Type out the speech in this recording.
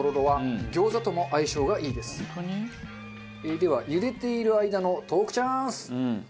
では茹でている間のトークチャンス！